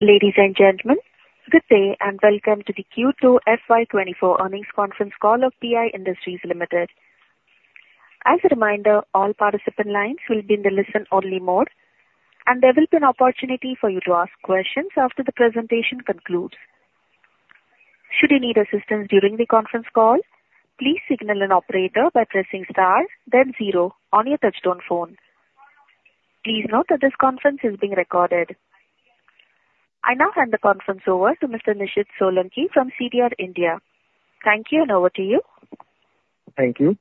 Ladies and gentlemen, good day, and welcome to the Q2 FY24 Earnings Conference Call of PI Industries Limited. As a reminder, all participant lines will be in the listen-only mode, and there will be an opportunity for you to ask questions after the presentation Concludes. Should you need assistance during the conference call, please signal an operator by pressing star, then zero on your touchtone phone. Please note that this conference is being recorded. I now hand the conference over to Mr. Nishit Solanki from CDR India. Thank you, and over to you. Thank you.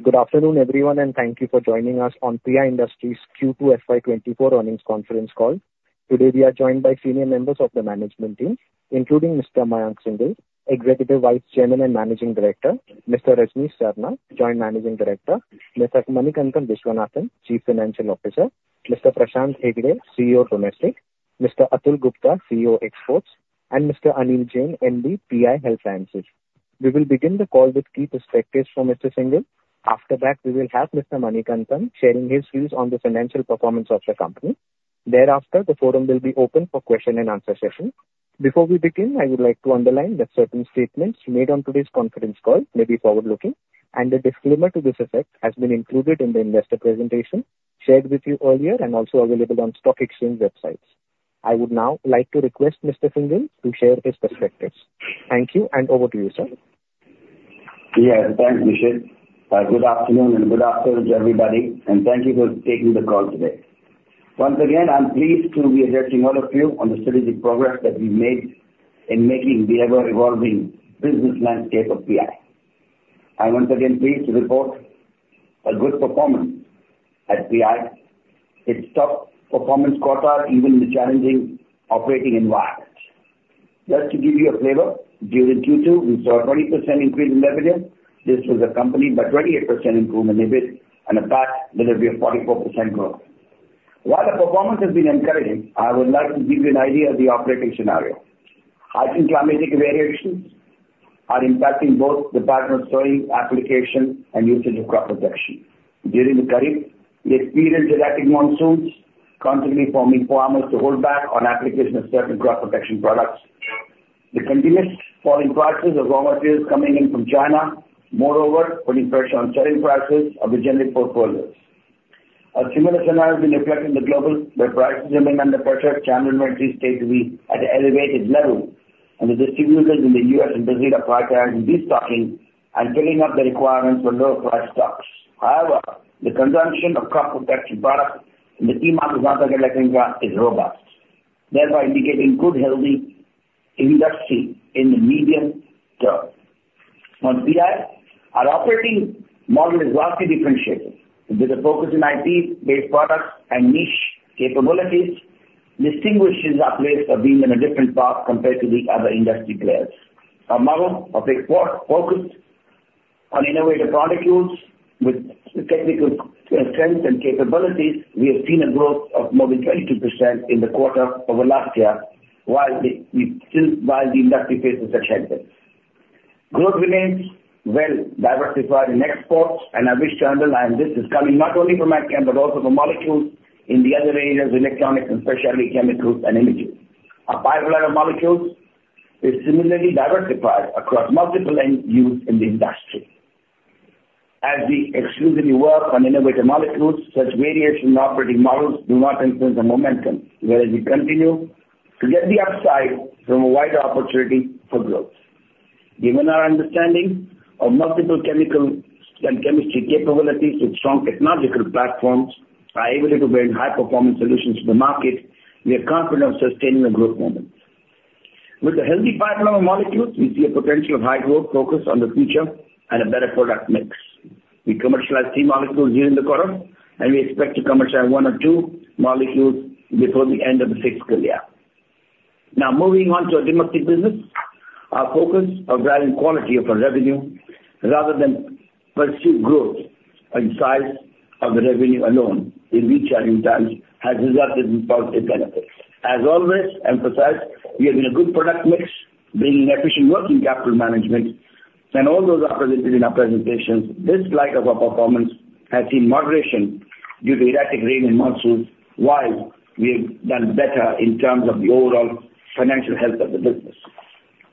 Good afternoon, everyone, and thank you for joining us on PI Industries Q2 FY 2024 earnings conference call. Today, we are joined by senior members of the management team, including Mr. Mayank Singhal, Executive Vice Chairman and Managing Director, Mr. Rajnish Sarna, Joint Managing Director, Mr. Manikantan Viswanathan, Chief Financial Officer, Mr. Prashant Hegde, CEO, Domestic, Mr. Atul Gupta, CEO, Exports, and Mr. Anil Jain, MD, PI Health Sciences. We will begin the call with key perspectives from Mr. Singhal. After that, we will have Mr. Manikantan sharing his views on the financial performance of the company. Thereafter, the forum will be open for question and answer session. Before we begin, I would like to underline that certain statements made on today's conference call may be forward-looking, and a disclaimer to this effect has been included in the investor presentation shared with you earlier and also available on stock exchange websites. I would now like to request Mr. Singhal to share his perspectives. Thank you, and over to you, sir. Yeah, thanks, Nishit. Good afternoon, and good afternoon to everybody, and thank you for taking the call today. Once again, I'm pleased to be addressing all of you on the strategic progress that we made in making the ever-evolving business landscape of PI. I'm once again pleased to report a good performance at PI. It's top performance quarter, even in the challenging operating environment. Just to give you a flavor, during Q2, we saw a 20% increase in revenue. This was accompanied by 28% improvement in EBIT and a PAT delivery of 44% growth. While the performance has been encouraging, I would like to give you an idea of the operating scenario. Rising climatic variations are impacting both the pattern of storing, application, and usage of crop protection. During the Tarif, we experienced erratic monsoons, consequently forcing farmers to hold back on application of certain crop protection products. The continuous falling prices of raw materials coming in from China, moreover, putting pressure on selling prices of the generic portfolios. A similar scenario has been reflected in the global, where prices remain under pressure, channel inventory stay to be at an elevated level, and the distributors in the U.S. and Brazil are quite high in destocking and filling up the requirements for lower price stocks. However, the consumption of crop protection products in the key markets of Africa and Latin America is robust, therefore indicating good, healthy industry in the medium term. On PI, our operating model is vastly differentiated, with a focus in IP-based products and niche capabilities, distinguishing our place of being in a different path compared to the other industry players. Our portfolio-focused on innovative molecules with technical strength and capabilities, we have seen a growth of more than 22% in the quarter over last year, while the industry faces such headwinds. Growth remains well diversified in exports, and I wish to underline this is coming not only from AgChem, but also from molecules in the other areas, electronics and specialty chemicals and imaging. Our pipeline of molecules is similarly diversified across multiple end uses in the industry. As we exclusively work on innovative molecules, such variations in operating models do not influence the momentum, whereas we continue to get the upside from a wider opportunity for growth. Given our understanding of multiple chemical and chemistry capabilities with strong technological platforms, we are able to bring high-performance solutions to the market, we are confident of sustaining the growth momentum. With a healthy pipeline of molecules, we see a potential of high growth focused on the future and a better product mix. We commercialized three molecules during the quarter, and we expect to commercialize one or two molecules before the end of the fiscal year. Now, moving on to our domestic business. Our focus of driving quality of our revenue rather than pursue growth and size of the revenue alone in challenging times, has resulted in positive benefits. As always emphasized, we are in a good product mix, bringing efficient working capital management and all those are presented in our presentations. This slide of our performance has seen moderation due to erratic rain and monsoons, while we have done better in terms of the overall financial health of the business.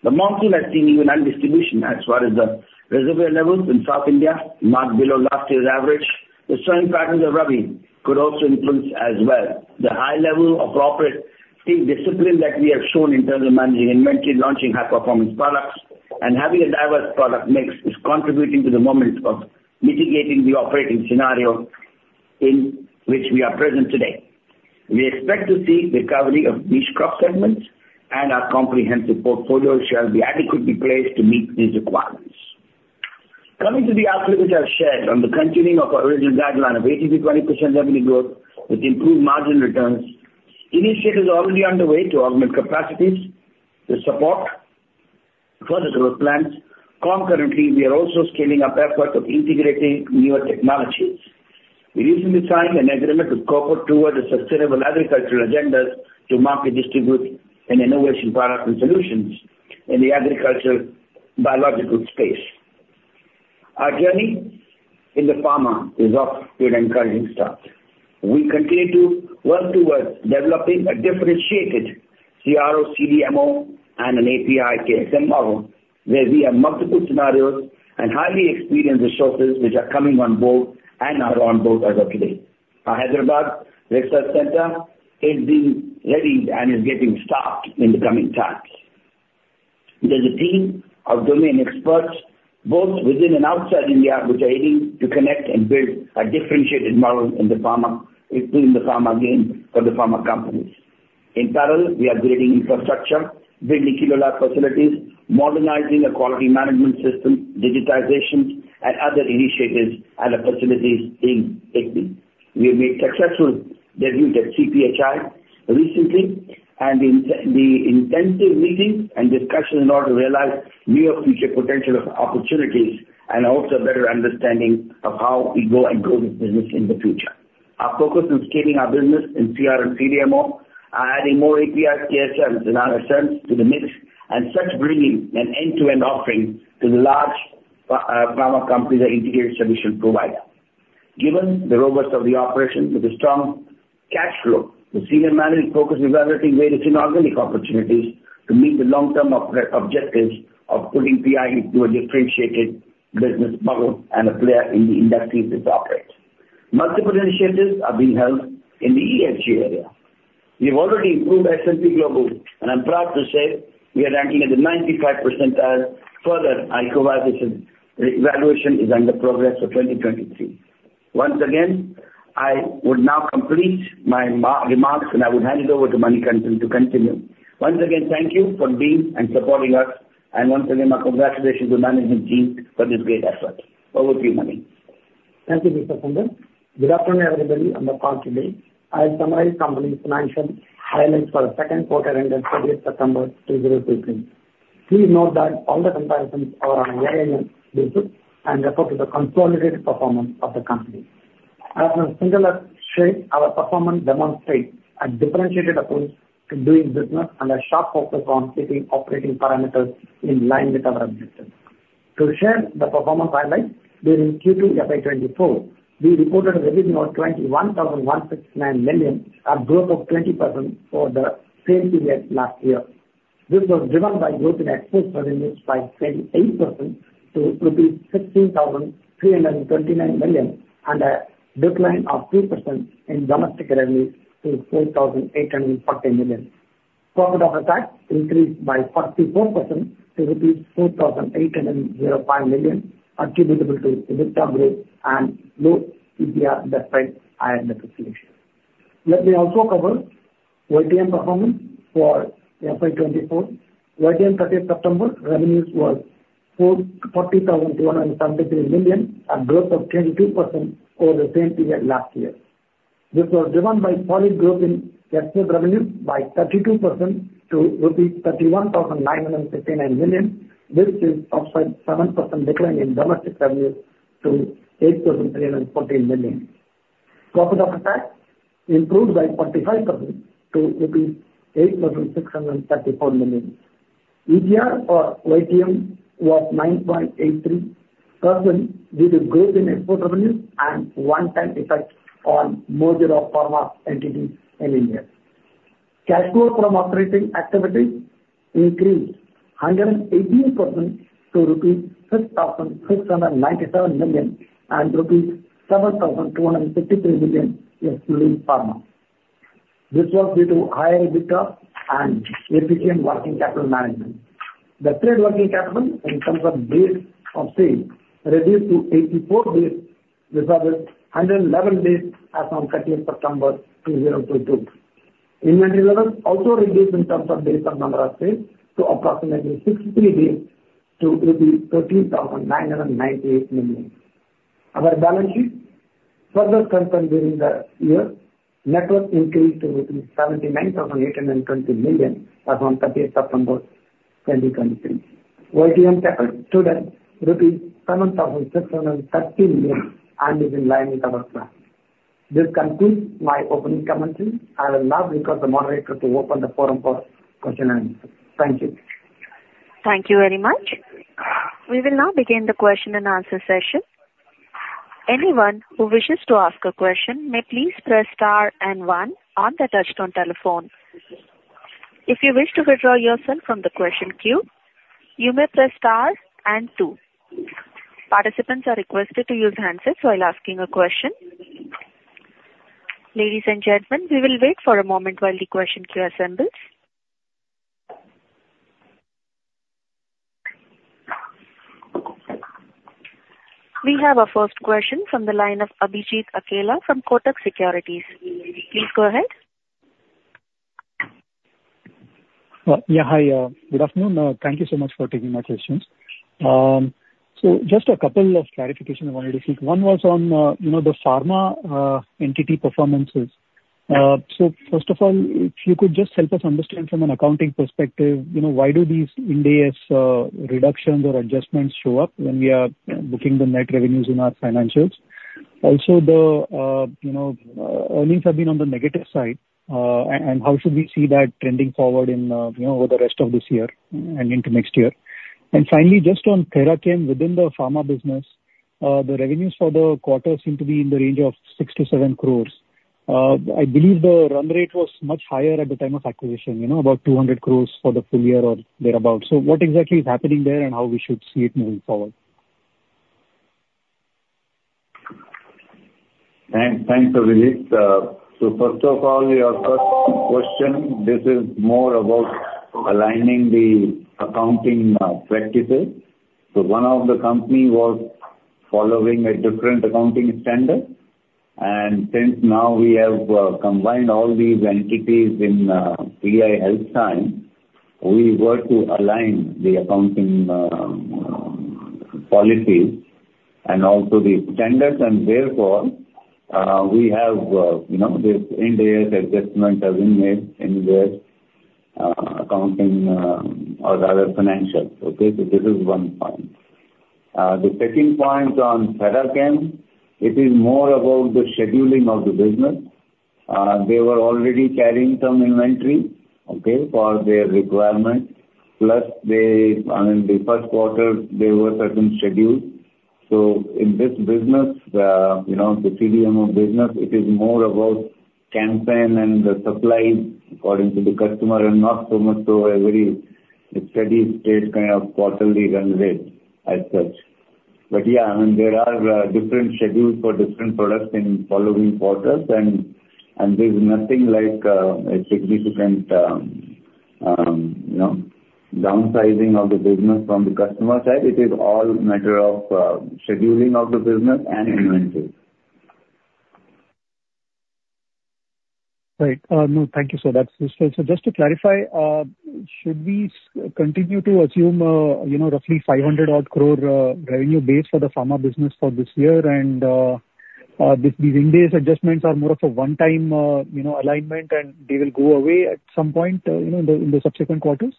The Monsoon has seen even distribution as far as the reservoir levels in South India, marked below last year's average. The same patterns of Rabi could also influence as well. The high level of appropriate team discipline that we have shown in terms of managing inventory, launching high-performance products, and having a diverse product mix, is contributing to the means of mitigating the operating scenario in which we are present today. We expect to see recovery of niche crop segments, and our comprehensive portfolio shall be adequately placed to meet these requirements. Coming to the outlook, which I've shared on the continuing of our original guideline of 18%-20% revenue growth with improved margin returns, initiatives are already underway to augment capacities to support further growth plans. Concurrently, we are also scaling up efforts of integrating newer technologies. We recently signed an agreement with Kopperttoward a sustainable agricultural agenda to market, distribution vation products and solutions in the agriculture biological space. Our journey in the pharma is off to an encouraging start. We continue to work towards developing a differentiated CRO, CDMO, and an API KSM model, where we have multiple scenarios and highly experienced resources which are coming on board and are on board as of today. Our Hyderabad research center is being readied and is getting staffed in the coming times. There's a team of domain experts, both within and outside India, which are aiming to connect and build a differentiated model in the pharma, including the pharma game for the pharma companies. In parallel, we are building infrastructure, building kilo facilities, modernizing the quality management system, digitizations, and other initiatives and opportunities being taken. We have made successful debut at CPHI recently, and in the intensive meetings and discussions in order to realize near future potential of opportunities, and also a better understanding of how we go and grow this business in the future. Our focus on scaling our business in CR and CDMO are adding more API KSMs and other segments to the mix, and thus bringing an end-to-end offering to the large pharma companies and integrated solution provider. Given the robustness of the operation with a strong cash flow, the senior management focus is evaluating various inorganic opportunities to meet the long-term objectives of putting PI into a differentiated business model and a player in the industries it operates. Multiple initiatives are being held in the ESG area. We've already improved S&P Global, and I'm proud to say we are ranking at the 95th percentile. Further, our evaluation is under progress for 2023. Once again, I would now complete my remarks, and I would hand it over to Manikantan to continue. Once again, thank you for being and supporting us, and once again, my congratulations to management team for this great effort. Over to you, Mani. Thank you, Mr. Singhal. Good afternoon, everybody, on the call today. I'll summarize company's financial highlights for the second quarter ended September 30, 2023. Please note that all the comparisons are on year-on-year basis and refer to the consolidated performance of the company. As Mr. Singhal shared, our performance demonstrates a differentiated approach to doing business and a sharp focus on keeping operating parameters in line with our objectives. To share the performance highlights during Q2 FY 2024, we reported a revenue of 21,169 million, a growth of 20% over the same period last year. This was driven by growth in export revenues by 28% to INR 16,329 million, and a decline of 2% in domestic revenue to INR 4,840 million. Profit after tax increased by 44% to INR 4,805 million, attributable to EBITDA growth and low ETR, despite higher raw material. Let me also cover YTM performance for FY 2024. YTD 30 September revenues was INR 44,073 million, a growth of 22% over the same period last year. This was driven by solid growth in export revenues by 32% to INR 31,959 million. This is offset 7% decline in domestic revenue to INR 8,014 million. Profit after tax improved by 45% to INR 8,634 million. ETR for YTM was 9.83%, due to growth in export revenues and one-time effect on merger of pharma entity in India. Cash flow from operating activities increased 118% to 6,697 million, and rupees 7,253 million, excluding pharma. This was due to higher EBITDA and efficient working capital management. The trade working capital in terms of days of sales, reduced to 84 days, versus 111 days as on 30th September 2022. Inventory levels also reduced in terms of days of number of sales to approximately 63 days to INR 13,998 million. Our balance sheet further strengthened during the year. Net worth increased to 79,820 million as on 30th September 2023. CapEx stood at rupees 7,630 million and is in line with our plan. This concludes my opening comments. I would now request the moderator to open the forum for question and answer. Thank you. Thank you very much. We will now begin the question and answer session. Anyone who wishes to ask a question may please press star and one on the touchtone telephone. If you wish to withdraw yourself from the question queue, you may press star and two. Participants are requested to use handsets while asking a question. Ladies and gentlemen, we will wait for a moment while the question queue assembles. We have our first question from the line of Abhijit Akella from Kotak Securities. Please go ahead. Yeah, hi, good afternoon. Thank you so much for taking my questions. So just a couple of clarifications I wanted to seek. One was on, you know, the pharma entity performances. So first of all, if you could just help us understand from an accounting perspective, you know, why do these Ind AS reductions or adjustments show up when we are booking the net revenues in our financials? Also the, you know, earnings have been on the negative side. And how should we see that trending forward in, you know, over the rest of this year and into next year? And finally, just on Therachem within the pharma business, the revenues for the quarter seem to be in the range of 6 crore-7 crore. I believe the run rate was much higher at the time of acquisition, you know, about 200 crore for the full year or thereabout. So what exactly is happening there, and how we should see it moving forward? Thanks, thanks, Abhijit. So first of all, your first question, this is more about aligning the accounting practices. So one of the company was following a different accounting standard, and since now we have combined all these entities in PI Health Sciences, we were to align the accounting policies and also the standards, and therefore we have, you know, this Ind AS adjustment has been made in their accounting, or rather, financials. Okay, so this is one point. The second point on Therachem, it is more about the scheduling of the business. They were already carrying some inventory, okay, for their requirements, plus they, in the first quarter, there were certain schedules. So in this business, you know, the CDMO business, it is more about campaign and the supplies according to the customer and not so much so a very steady state kind of quarterly run rate as such. But yeah, I mean, there are, different schedules for different products in following quarters, and, and there's nothing like, a significant, you know, downsizing of the business from the customer side. It is all matter of, scheduling of the business and inventory. Right. No, thank you, sir. That's useful. So just to clarify, should we continue to assume, you know, roughly 500 crore revenue base for the pharma business for this year? And, these Ind AS adjustments are more of a one-time, you know, alignment, and they will go away at some point, you know, in the subsequent quarters?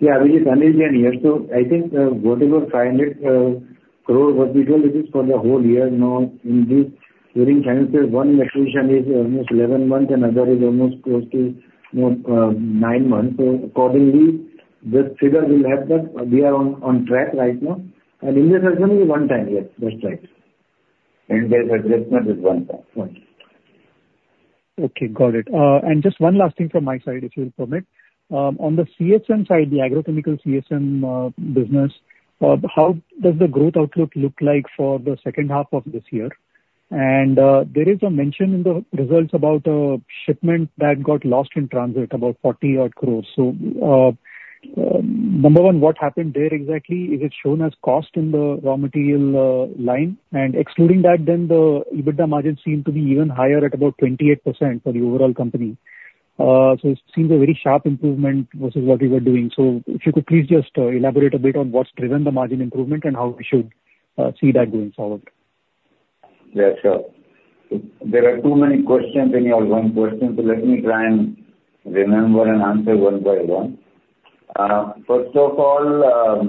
Yeah, Abhijit, I hear you. So I think, whatever 500 crore what we told you is for the whole year, you know, in this during financial one acquisition is almost 11 months, another is almost close to, you know, nine months. So accordingly, this figure will happen. We are on track right now, and in this adjustment is one time. Yes, that's right. And this adjustment is one time. One time. Okay, got it. And just one last thing from my side, if you'll permit. On the CSM side, the Agrochemical CSM business, how does the growth outlook look like for the second half of this year? And there is a mention in the results about a shipment that got lost in transit, about 40-odd crores. So, number one, what happened there exactly? Is it shown as cost in the raw material line? And excluding that, then the EBITDA margins seem to be even higher at about 28% for the overall company. So it seems a very sharp improvement versus what we were doing. So if you could please just elaborate a bit on what's driven the margin improvement and how we should see that going forward. Yeah, sure. There are too many questions in your one question, so let me try and remember and answer one by one. First of all,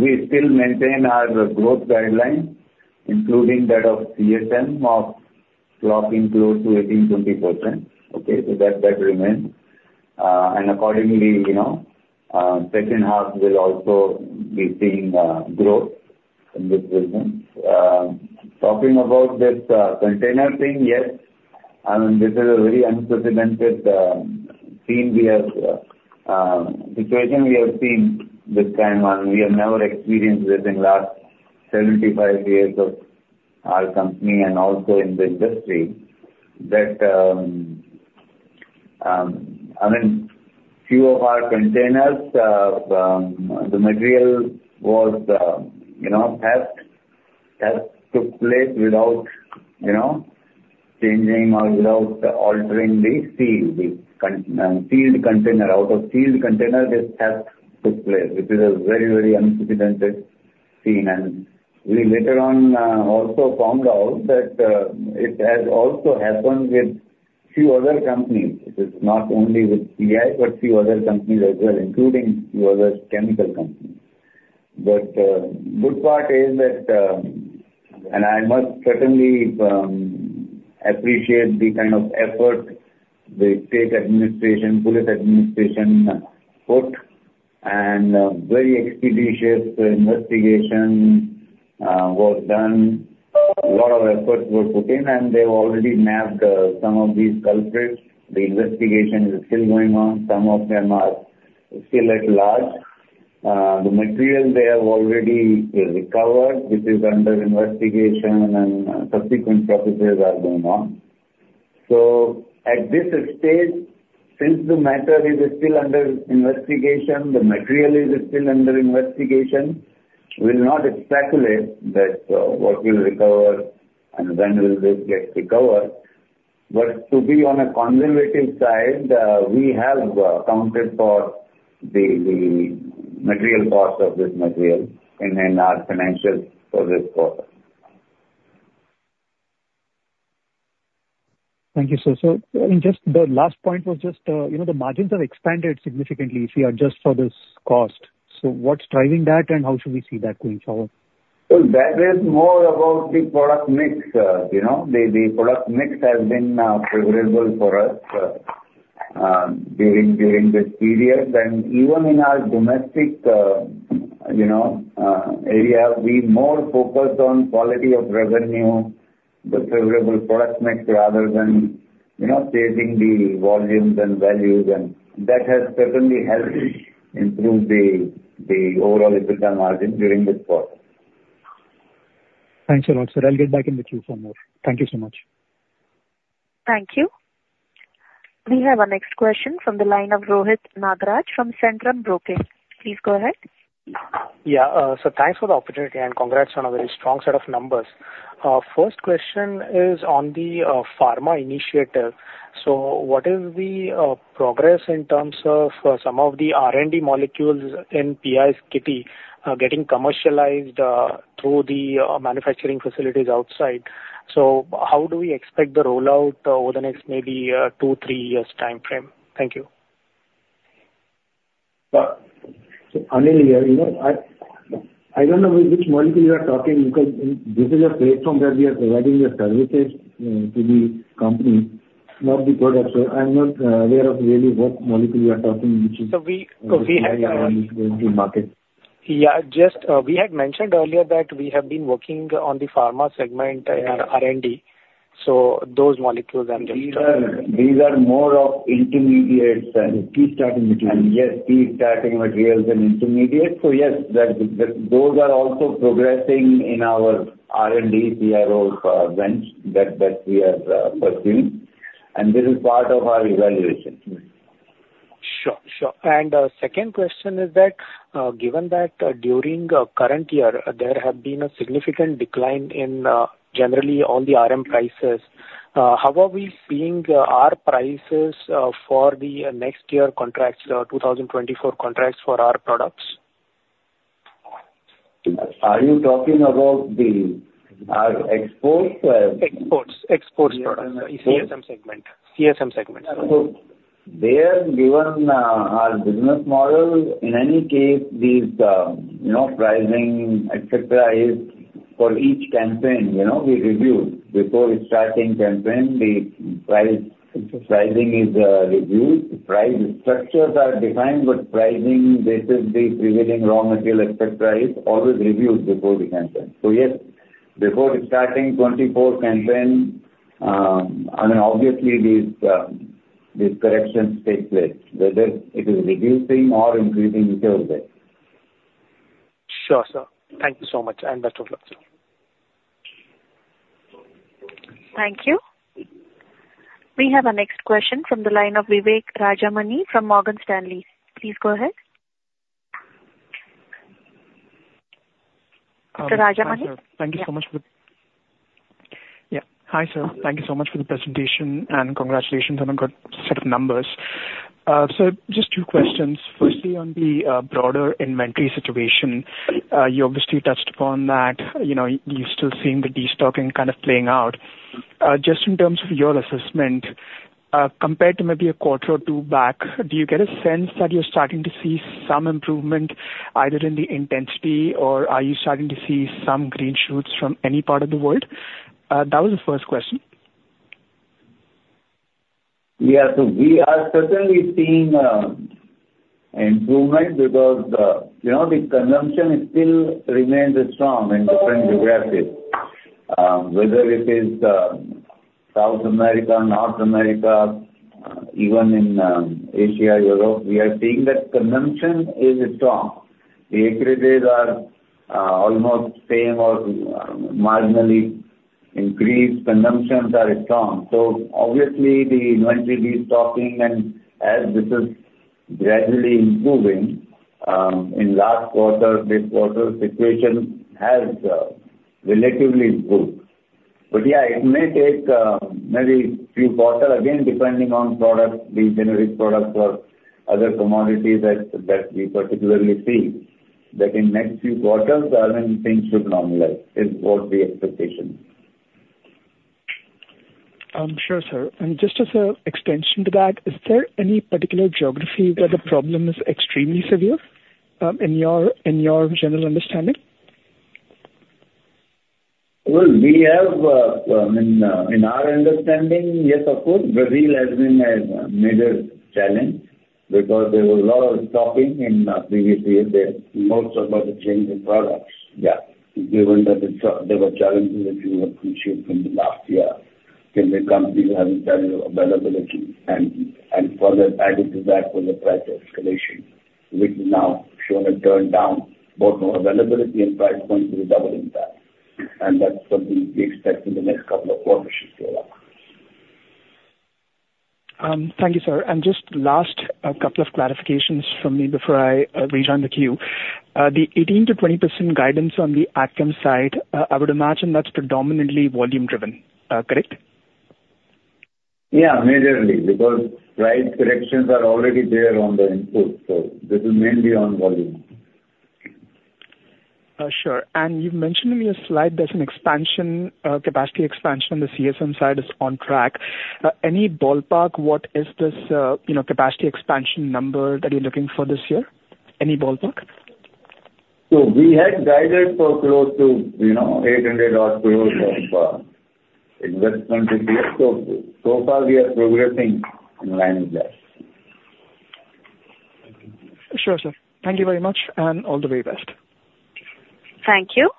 we still maintain our growth guidelines, including that of CSM, of clocking close to 18-20%. Okay? So that remains. And accordingly, you know, second half will also be seeing growth in this business. Talking about this container thing, yes, and this is a very unprecedented situation we have seen this time, and we have never experienced this in last 75 years of our company and also in the industry, that I mean, few of our containers, the material was, you know, theft took place without, you know, changing or without altering the seal. The sealed container. Out of sealed container, this theft took place, which is a very, very unprecedented thing. We later on also found out that it has also happened with few other companies. It is not only with PI, but few other companies as well, including few other chemical companies. But good part is that and I must certainly appreciate the kind of effort the state administration, police administration put and very expeditious investigation was done. A lot of effort was put in, and they've already nabbed some of these culprits. The investigation is still going on. Some of them are still at large. The material they have already recovered, which is under investigation and subsequent processes are going on. So at this stage, since the matter is still under investigation, the material is still under investigation, we'll not speculate that what we'll recover and when this will get recovered. But to be on a conservative side, we have accounted for the material cost of this material in our financials for this quarter.... Thank you, sir. So just the last point was just, you know, the margins have expanded significantly if you adjust for this cost. So what's driving that, and how should we see that going forward? Well, that is more about the product mix, you know. The product mix has been favorable for us during this period. Even in our domestic, you know, area, we more focus on quality of revenue, the favorable product mix, rather than, you know, chasing the volumes and values, and that has certainly helped improve the overall EBITDA margin during this quarter. Thanks a lot, sir. I'll get back in the queue for more. Thank you so much. Thank you. We have our next question from the line of Rohit Nagaraj from Centrum Broking. Please go ahead. Yeah, so thanks for the opportunity, and congrats on a very strong set of numbers. First question is on the pharma initiative. What is the progress in terms of some of the R&D molecules in PI's kitty getting commercialized through the manufacturing facilities outside? How do we expect the rollout over the next maybe 2-3 years timeframe? Thank you. So Anil, you know, I don't know which molecule you are talking, because this is a platform where we are providing the services to the company, not the product. So I'm not aware of really what molecule you are talking, which is- So we had. Going to market. Yeah, just, we had mentioned earlier that we have been working on the pharma segment and R&D, so those molecules I'm just- These are more of intermediates and- Key starting materials. Yes, key starting materials and intermediates. So yes, those are also progressing in our R&D CRO bench that we have pursued, and this is part of our evaluation. Sure, sure. Our second question is that, given that, during current year, there have been a significant decline in generally all the RM prices, how are we seeing our prices for the next year contracts, 2024 contracts for our products? Are you talking about the, our exports? Exports. Exports products, CSM segment. CSM segment. So there, given our business model, in any case, these, you know, pricing, et cetera, is for each campaign, you know, we review. Before starting campaign, the price, pricing is reviewed. Price structures are defined, but pricing based on the prevailing raw material, et cetera, is always reviewed before the campaign. So yes, before starting 2024 campaign, I mean, obviously, these corrections take place, whether it is reducing or increasing goes there. Sure, sir. Thank you so much, and best of luck. Thank you. We have our next question from the line of Vivek Rajamani from Morgan Stanley. Please go ahead. Rajamani? Thank you so much for the... Yeah, hi, sir. Thank you so much for the presentation, and congratulations on a good set of numbers. So just two questions. Firstly, on the broader inventory situation, you obviously touched upon that. You know, you're still seeing the destocking kind of playing out. Just in terms of your assessment, compared to maybe a quarter or two back, do you get a sense that you're starting to see some improvement, either in the intensity, or are you starting to see some green shoots from any part of the world? That was the first question. Yeah. So we are certainly seeing improvement because, you know, the consumption still remains strong in different geographies. Whether it is South America, North America, even in Asia, Europe, we are seeing that consumption is strong. The acreages are almost same or marginally increased. Consumptions are strong. So obviously the inventory destocking and as this is gradually improving, in last quarter, this quarter's situation has relatively improved. But yeah, it may take maybe few quarter, again, depending on products, the generic products or other commodities that, that we particularly see, that in next few quarters, then things should normalize, is what the expectation. Sure, sir. Just as an extension to that, is there any particular geography where the problem is extremely severe, in your general understanding? Well, we have, in our understanding, yes, of course, Brazil has been a major challenge because there was a lot of destocking in previous years there, most of our CSM products. Yeah, given that there were challenges which we were facing from the last year, because the company was having raw material availability, and further adding to that was the price escalation, which has now shown a downturn, both on availability and price point, with double impact. And that's what we expect in the next couple of quarters should show up. Thank you, sir. And just last, a couple of clarifications from me before I rejoin the queue. The 18%-20% guidance on the outcome side, I would imagine that's predominantly volume driven. Correct? Yeah, majorly, because price corrections are already there on the input, so this is mainly on volume.... Sure. And you've mentioned in your slide there's an expansion, capacity expansion on the CSM side is on track. Any ballpark, what is this, you know, capacity expansion number that you're looking for this year? Any ballpark? We had guided for close to, you know, 800-odd crores for investment this year. So, so far we are progressing in line with that. Sure, sir. Thank you very much, and all the very best. Thank you.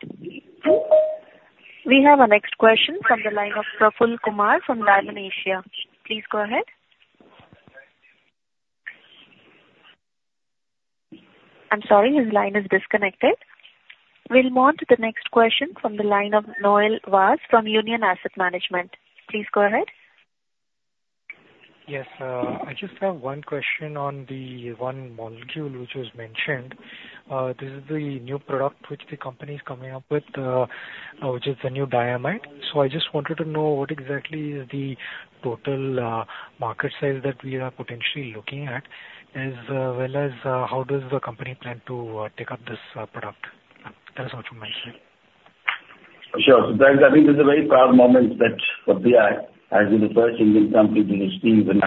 We have our next question from the line of Prafull Kumar from Dalal Asia. Please go ahead. I'm sorry, his line is disconnected. We'll move to the next question from the line of Noel Vaz from Union Asset Management. Please go ahead. Yes, I just have one question on the one molecule which was mentioned. This is the new product which the company is coming up with, which is the new diamide. So I just wanted to know what exactly is the total market size that we are potentially looking at, as well as how does the company plan to take up this product? That is all from my side. Sure. So that, I think, is a very proud moment that for PI, as we're the first Indian company to receive an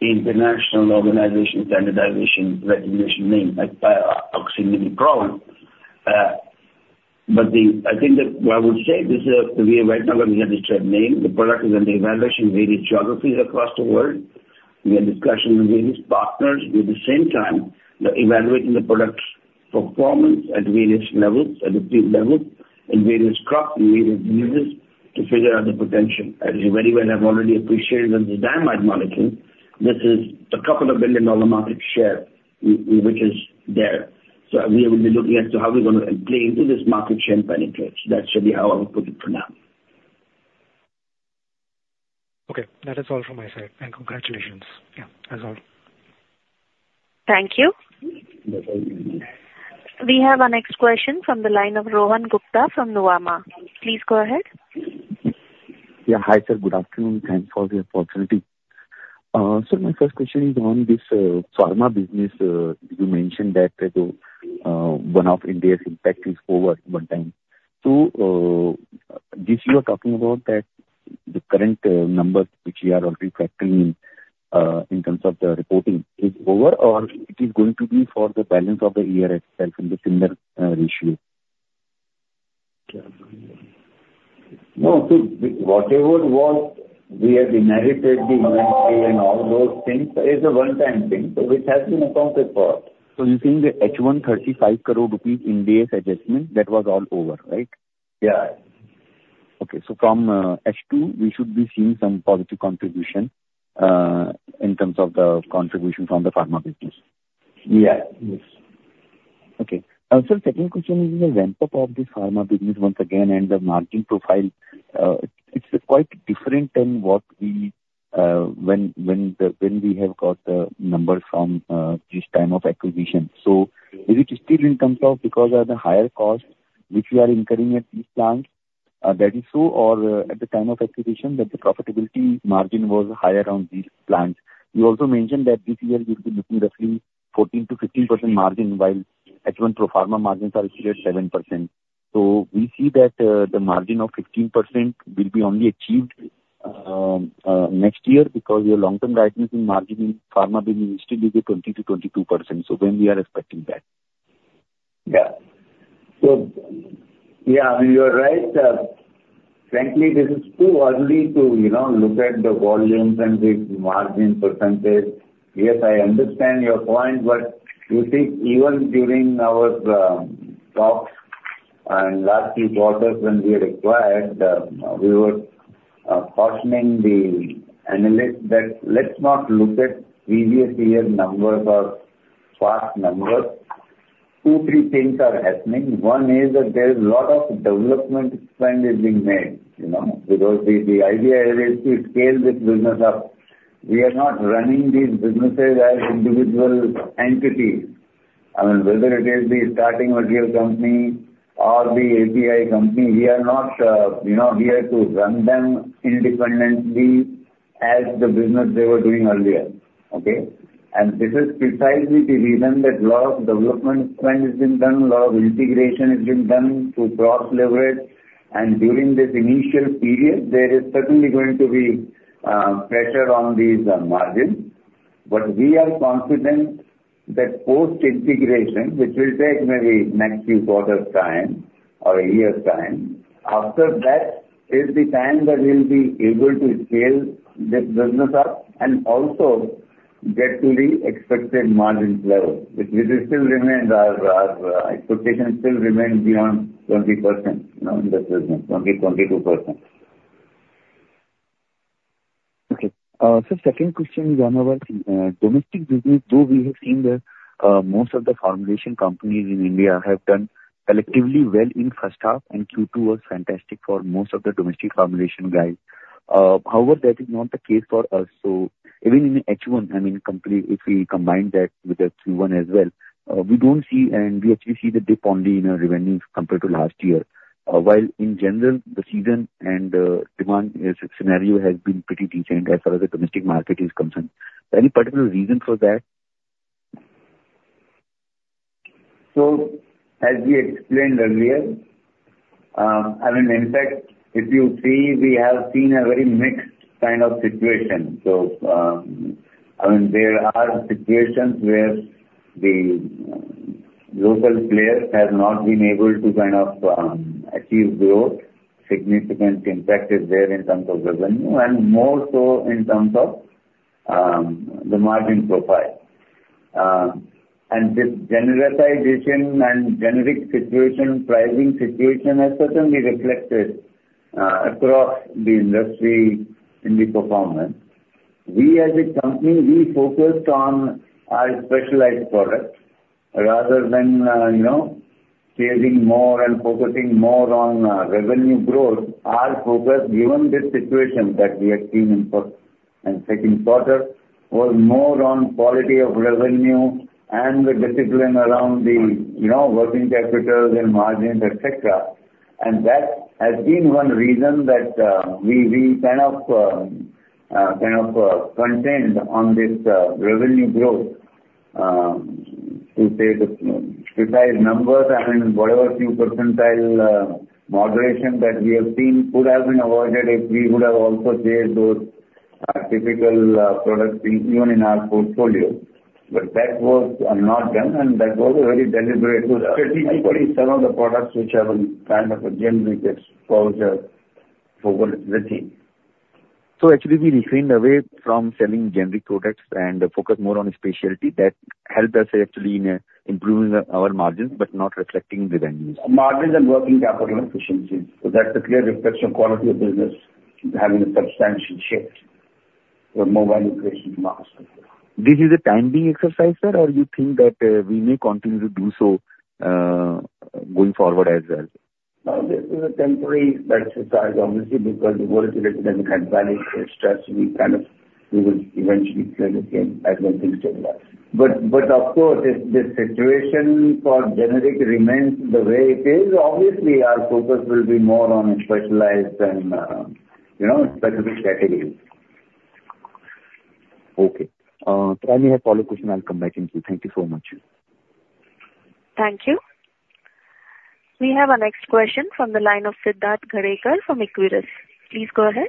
international organization standardization recognition name, like, Oxymethicone. But the-- I think that what I would say, this is, we are right now, when we have this trade name, the product is under evaluation in various geographies across the world. We are in discussion with various partners, at the same time, they're evaluating the product's performance at various levels, at the field level, in various crops, in various uses, to figure out the potential. As you very well have already appreciated that the diamide molecule, this is a couple of billion dollar market share which is there. So we will be looking as to how we're going to play into this market share penetration. That should be how I would put it for now. Okay, that is all from my side, and congratulations. Yeah, that's all. Thank you. We have our next question from the line of Rohan Gupta from Nomura. Please go ahead. Yeah. Hi, sir, good afternoon. Thanks for the opportunity. So my first question is on this pharma business. You mentioned that the one-off impact is over one time. So this you are talking about, that the current numbers which we are already factoring in terms of the reporting is over, or it is going to be for the balance of the year itself in the similar ratio? No, so whatever was, we have inherited the inaudible and all those things is a one-time thing, so which has been accounted for. You're saying the 135 crore rupees Indo-U.S. adjustment, that was all over, right? Yeah. Okay. So from H2, we should be seeing some positive contribution in terms of the contribution from the pharma business? Yeah. Yes. Okay. Sir, second question is in the ramp up of this pharma business once again, and the margin profile, it's quite different than what we, when, when the, when we have got the numbers from, this time of acquisition. So is it still in terms of because of the higher cost which we are incurring at these plants, that is so, or, at the time of acquisition, that the profitability margin was higher on these plants? You also mentioned that this year you'll be looking roughly 14%-15% margin, while H1 pro forma margins are still at 7%. So we see that, the margin of 15% will be only achieved, next year because your long-term guidance in margin in pharma business still be 20%-22%. So when we are expecting that? Yeah. So, yeah, you are right. Frankly, this is too early to, you know, look at the volumes and the margin percentage. Yes, I understand your point, but you see, even during our talks and last few quarters when we acquired, we were cautioning the analyst that let's not look at previous year's numbers or past numbers. Two, three things are happening. One is that there is a lot of development spend is being made, you know, because the idea is to scale this business up. We are not running these businesses as individual entities. I mean, whether it is the starting material company or the API company, we are not, you know, here to run them independently as the business they were doing earlier. Okay? This is precisely the reason that lot of development spend has been done, lot of integration has been done to cross-leverage, and during this initial period, there is certainly going to be pressure on these margins. But we are confident that post-integration, which will take maybe next few quarters' time or a year's time, after that is the time that we'll be able to scale this business up and also get to the expected margin level, which still remains our, our, expectation still remains beyond 20%, you know, in this business, 20-22%. Okay. So second question is on our domestic business, though we have seen that most of the formulation companies in India have done collectively well in first half, and Q2 was fantastic for most of the domestic formulation guys. However, that is not the case for us. So even in H one, I mean, if we combine that with the Q one as well, we don't see... And we actually see the dip only in our revenues compared to last year. While in general, the season and demand is scenario has been pretty decent as far as the domestic market is concerned. Any particular reason for that?... So as we explained earlier, I mean, in fact, if you see, we have seen a very mixed kind of situation. So, I mean, there are situations where the local players have not been able to kind of, achieve growth, significant impact is there in terms of revenue, and more so in terms of, the margin profile. And this generalization and generic situation, pricing situation, has certainly reflected, across the industry in the performance. We as a company, we focused on our specialized products rather than, you know, creating more and focusing more on, revenue growth. Our focus, given this situation that we have seen in first and second quarter, was more on quality of revenue and the discipline around the, you know, working capital and margins, et cetera. That has been one reason that we kind of contained this revenue growth. To say the precise numbers, I mean, whatever few percentile moderation that we have seen could have been avoided if we would have also changed those typical products, even in our portfolio. But that was not done, and that was a very deliberate strategic- Some of the products which have a kind of a generic exposure over the term. So actually, we refrained from selling generic products and focus more on specialty. That helped us actually in improving our margins, but not reflecting revenues. Margins and working capital efficiency. That's a clear reflection of quality of business, having a substantial shift for more value creation models. This is for the time being exercise, sir, or you think that we may continue to do so, going forward as well? This is a temporary exercise, obviously, because the world has given an advantage. It's just we will eventually play the game once things stabilize. But of course, if the situation for generics remains the way it is, obviously, our focus will be more on specialized and, you know, specific categories. Okay. I may have follow question. I'll come back into you. Thank you so much. Thank you. We have our next question from the line of Siddharth Gadekar from Equirus. Please go ahead.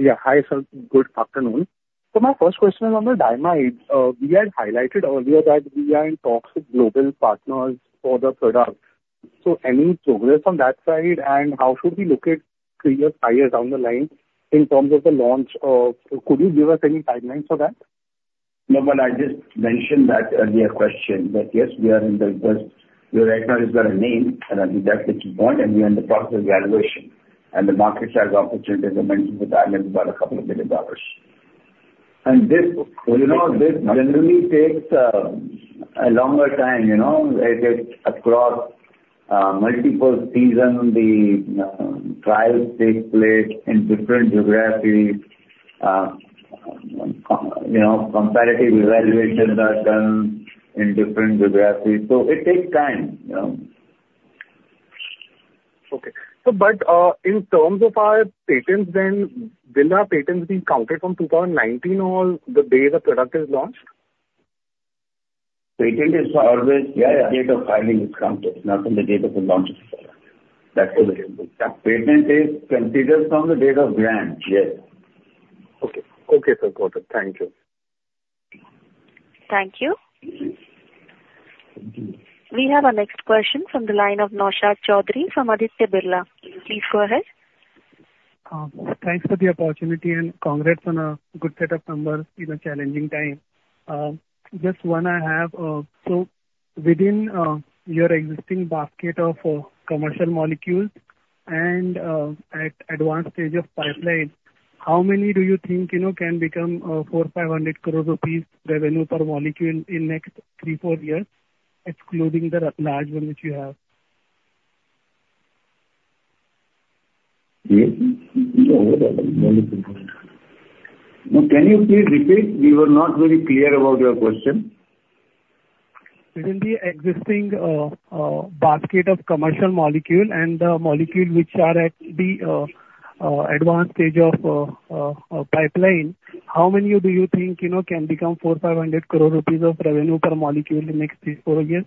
Yeah. Hi, sir. Good afternoon. So my first question is on the Diamide. We had highlighted earlier that we are in talks with global partners for the product. So any progress on that side? And how should we look at three years, five years down the line in terms of the launch of... Could you give us any timelines for that? No, but I just mentioned that earlier question, that yes, we are in the first. We right now have got a name, and I think that's the key point, and we are in the process of evaluation. And the market size opportunity, as I mentioned, with about $2 billion. And this, you know, this generally takes a longer time, you know. It is across multiple season. The trials take place in different geographies. You know, comparative evaluations are done in different geographies. So it takes time, you know? Okay. So but, in terms of our patents, then, will our patents be counted from 2019 or the day the product is launched? Patent is always- Yeah, yeah. The date of filing is counted, not from the date of the launch of the product. That's the way. Patent is considered from the date of grant. Yes. Okay. Okay, sir. Got it. Thank you. Thank you. We have our next question from the line of Naushad Chaudhary from Aditya Birla. Please go ahead. Thanks for the opportunity, and congrats on a good set of numbers in a challenging time. Just one I have, so within your existing basket of commercial molecules and at advanced stage of pipeline, how many do you think, you know, can become 400 crore-500 crore rupees revenue per molecule in next 3-4 years, excluding the large one which you have? Yes. No, can you please repeat? We were not very clear about your question. Within the existing basket of commercial molecule and the molecule which are at the advanced stage of pipeline, how many do you think, you know, can become 400-500 crore rupees of revenue per molecule in the next 3-4 years?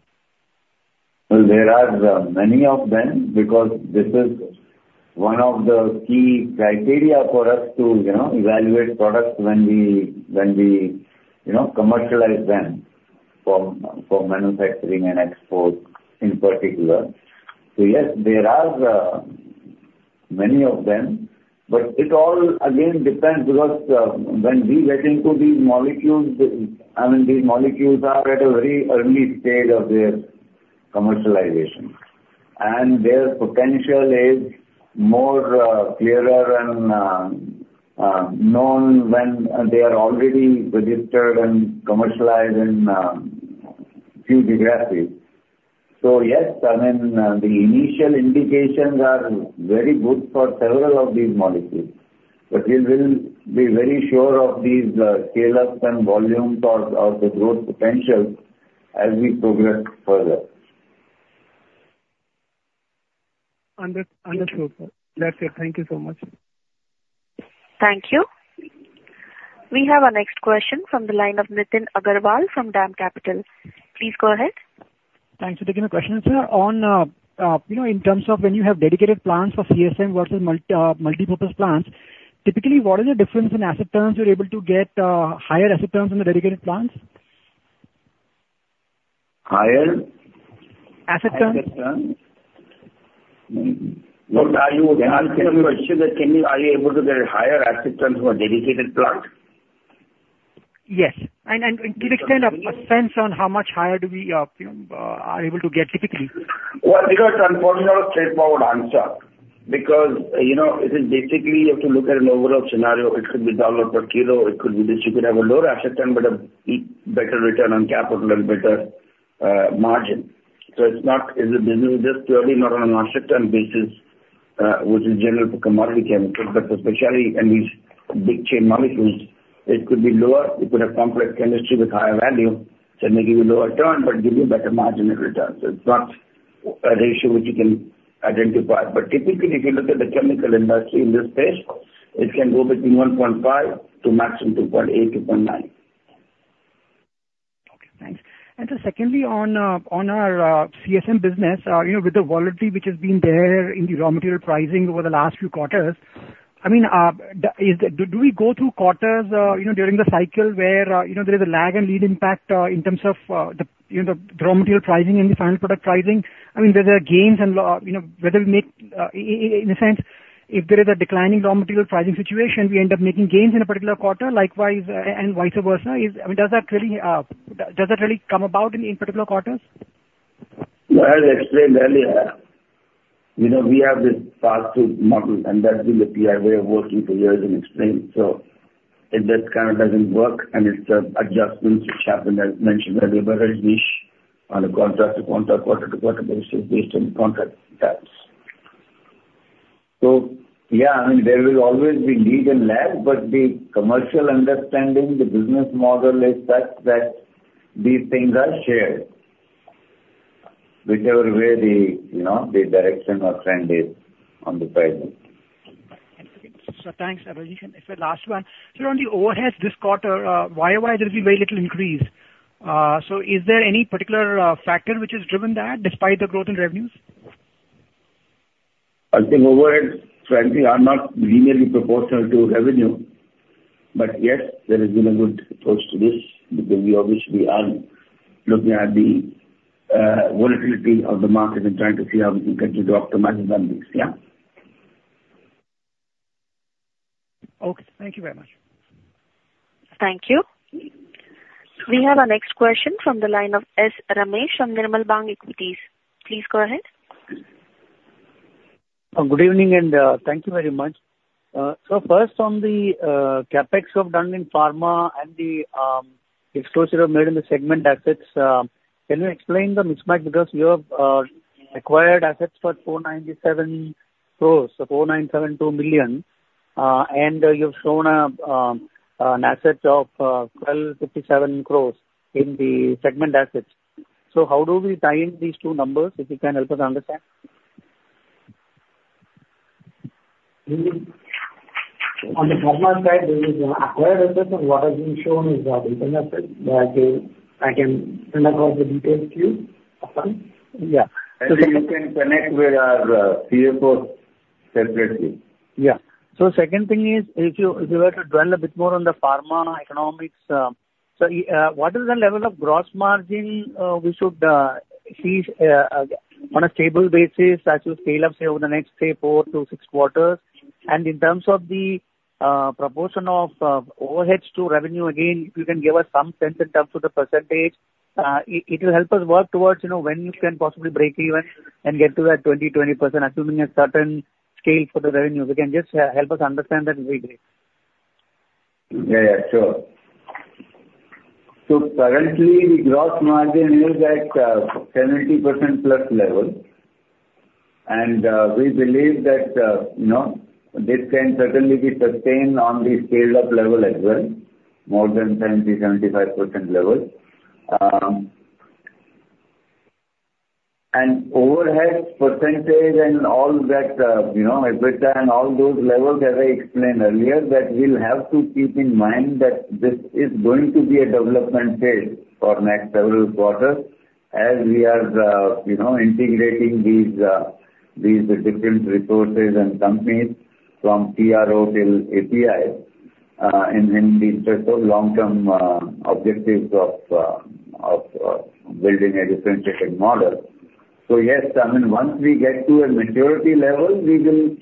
Well, there are many of them, because this is one of the key criteria for us to, you know, evaluate products when we, when we, you know, commercialize them for, for manufacturing and export in particular. So yes, there are many of them, but it all again depends, because when we get into these molecules, I mean, these molecules are at a very early stage of their commercialization, and their potential is more clearer and known when they are already registered and commercialized in few geographies. So yes, I mean, the initial indications are very good for several of these molecules, but we will be very sure of these scale-up and volume for, of the growth potential as we progress further. ... Understood, sir. That's it. Thank you so much. Thank you. We have our next question from the line of Nitin Agarwal from Dam Capital. Please go ahead. Thanks for taking the question. Sir, on, you know, in terms of when you have dedicated plants for CSM versus multi- multipurpose plants, typically, what is the difference in asset terms you're able to get, higher asset terms in the dedicated plants? Higher? Asset terms. Asset terms. What are you- Can you repeat the question? Are you able to get higher asset terms for a dedicated plant? Yes. And can you give a sense on how much higher do we, you know, are able to get typically? Well, because unfortunately, not a straightforward answer. Because, you know, it is basically you have to look at an overall scenario. It could be dollar per kilo, it could be this. You could have a lower asset term, but a better return on capital and better margin. So it's not as a business, just purely not on an asset term basis, which is general for commodity chemicals, but for specialty and these big chain molecules, it could be lower. It could have complex chemistry with higher value, so it may give you a lower return, but give you a better margin and return. So it's not a ratio which you can identify. But typically, if you look at the chemical industry in this space, it can go between 1.5 to maximum 2.8, 2.9. Okay, thanks. And so secondly, on our CSM business, you know, with the volatility which has been there in the raw material pricing over the last few quarters, I mean, do we go through quarters, you know, during the cycle where, you know, there is a lag and lead impact, in terms of, the, you know, the raw material pricing and the final product pricing? I mean, there are gains and you know, whether we make, in a sense, if there is a declining raw material pricing situation, we end up making gains in a particular quarter, likewise, and vice versa. I mean, does that really, does that really come about in any particular quarters? Well, as I explained earlier, you know, we have this fast food model, and that's been the PI way of working for years and explained. So if that kind of doesn't work and it's adjustments which happen, as mentioned, very, very niche on a contract to contract, quarter to quarter basis, based on contract terms. So yeah, I mean, there will always be lead and lag, but the commercial understanding, the business model is such that these things are shared, whichever way the, you know, the direction or trend is on the pricing. Okay. So thanks, Abhijit. It's the last one. So on the overhead this quarter, YOY, there's been very little increase. So is there any particular factor which has driven that despite the growth in revenues? I think overhead, frankly, are not linearly proportional to revenue. But yes, there has been a good approach to this because we obviously are looking at the volatility of the market and trying to see how we can continue to optimize on this. Yeah. Okay. Thank you very much. Thank you. We have our next question from the line of S. Ramesh from Nirmal Bang Equities. Please go ahead. Good evening, and thank you very much. So first on the CapEx you have done in pharma and the exposure you have made in the segment assets, can you explain the mismatch? Because you have acquired assets for 497 crores, so 4,972 million, and you've shown an asset of 1,257 crores in the segment assets. So how do we tie in these two numbers, if you can help us understand? On the pharma side, there is acquired assets, and what has been shown is the assets that I can send across the details to you. Okay. Yeah. Actually, you can connect with our CFO separately. Yeah. So second thing is, if you were to dwell a bit more on the pharma economics, what is the level of gross margin we should on a stable basis as you scale up, say, over the next, say, 4-6 quarters? And in terms of the proportion of overheads to revenue, again, if you can give us some sense in terms of the percentage, it will help us work towards, you know, when you can possibly break even and get to that 20, 20%, assuming a certain scale for the revenue. We can just help us understand that will be great. Yeah. Yeah. Sure. So currently, the gross margin is at 70% plus level. And we believe that, you know, this can certainly be sustained on the scaled up level as well, more than 70%-75% level. And overhead percentage and all that, you know, EBITDA and all those levels, as I explained earlier, that we'll have to keep in mind that this is going to be a development phase for next several quarters as we are, you know, integrating these different resources and companies from CRO to API, and then these are so long-term objectives of building a differentiated model. So yes, I mean, once we get to a maturity level, we will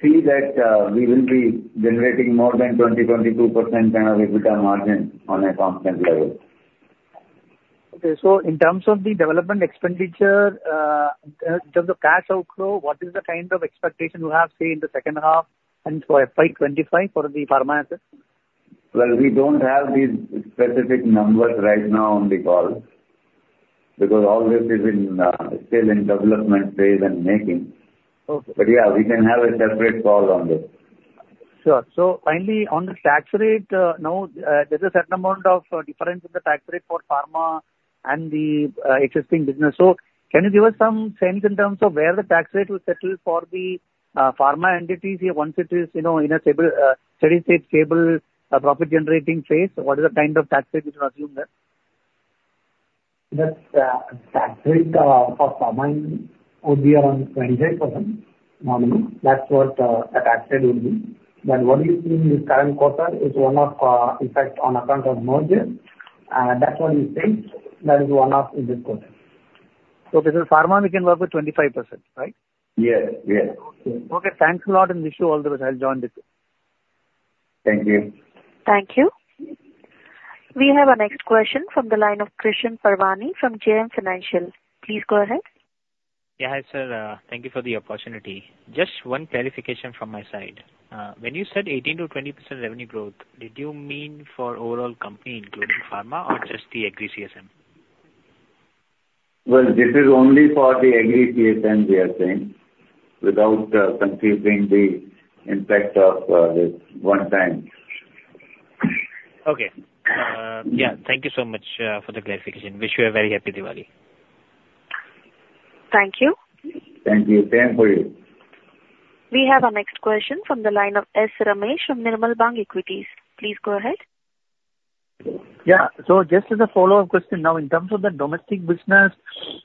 see that we will be generating more than 20%-22% kind of EBITDA margin on a constant level. Okay. So in terms of the development expenditure, in terms of cash outflow, what is the kind of expectation you have, say, in the second half and for FY 25 for the pharma assets? Well, we don't have these specific numbers right now on the call, because all this is still in development phase and making. Okay. Yeah, we can have a separate call on this.... Sure. So finally, on the tax rate, now, there's a certain amount of difference in the tax rate for pharma and the existing business. So can you give us some sense in terms of where the tax rate will settle for the pharma entities here, once it is, you know, in a stable steady state, stable profit generating phase? What is the kind of tax rate we should assume there? That's tax rate for pharma would be around 25% normally. That's what the tax rate would be. Then what you see in the current quarter is one-off effect on account of merger, and that's what we say. That is one-off in this quarter. This is pharma, we can work with 25%, right? Yes. Yes. Okay. Thanks a lot, and wish you all the best. I'll join the call. Thank you. Thank you. We have our next question from the line of Krishan Parwani from JM Financial. Please go ahead. Yeah. Hi, sir. Thank you for the opportunity. Just one clarification from my side. When you said 18%-20% revenue growth, did you mean for overall company, including pharma or just the Agri CSM? Well, this is only for the Agri CSM, we are saying, without confusing the impact of this one time. Okay. Yeah, thank you so much for the clarification. Wish you a very happy Diwali. Thank you. Thank you. Same for you. We have our next question from the line of S. Ramesh from Nirmal Bang Equities. Please go ahead. Yeah. So just as a follow-up question, now, in terms of the domestic business,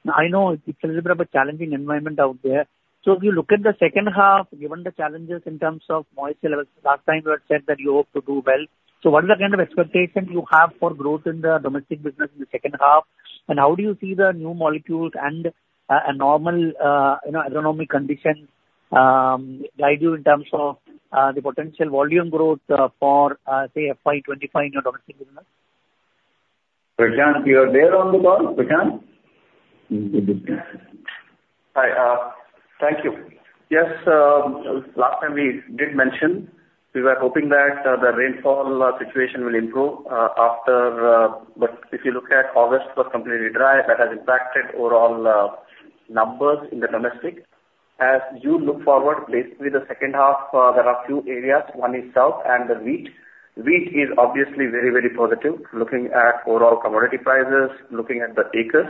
I know it's a little bit of a challenging environment out there. So if you look at the second half, given the challenges in terms of moisture levels, last time you had said that you hope to do well. So what are the kind of expectations you have for growth in the domestic business in the second half? And how do you see the new molecules and a normal, you know, economic condition guide you in terms of the potential volume growth for, say, FY 25 in your domestic business? Prashant, you are there on the call? Prashant? Hi. Thank you. Yes, last time we did mention, we were hoping that the rainfall situation will improve after... But if you look at August, was completely dry. That has impacted overall numbers in the domestic. As you look forward, basically the second half, there are two areas, one is south and the wheat. Wheat is obviously very, very positive, looking at overall commodity prices, looking at the acres.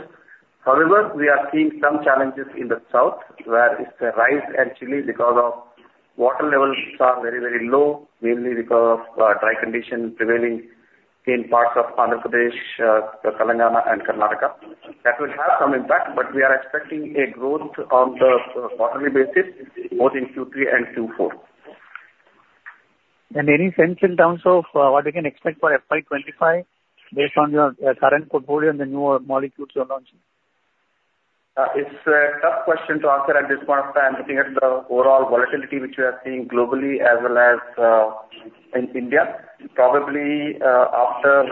However, we are seeing some challenges in the south, where it's rice actually because of water levels are very, very low, mainly because of dry conditions prevailing in parts of Andhra Pradesh, Telangana and Karnataka. That will have some impact, but we are expecting a growth on the quarterly basis, both in Q3 and Q4. Any sense in terms of what we can expect for FY 25, based on your current portfolio and the new molecules you are launching? It's a tough question to answer at this point of time, looking at the overall volatility which we are seeing globally as well as in India. Probably, after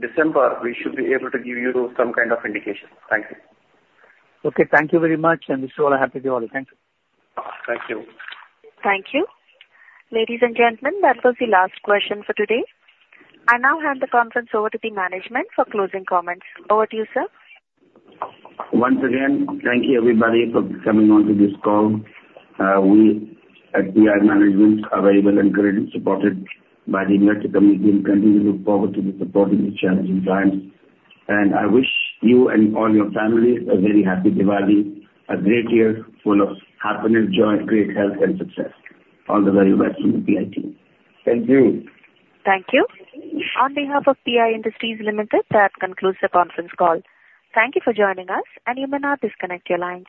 December, we should be able to give you some kind of indication. Thank you. Okay. Thank you very much, and wish you all a happy Diwali. Thank you. Thank you. Thank you. Ladies and gentlemen, that was the last question for today. I now hand the conference over to the management for closing comments. Over to you, sir. Once again, thank you, everybody, for coming onto this call. We at PI management are very well encouraged and supported by the investor community, and continue to look forward to the support in these challenging times. I wish you and all your families a very happy Diwali, a great year full of happiness, joy, great health and success. All the very best from the PI team. Thank you. Thank you. On behalf of PI Industries Limited, that concludes the conference call. Thank you for joining us, and you may now disconnect your lines.